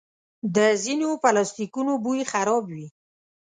د ځینو پلاسټیکونو بوی خراب وي.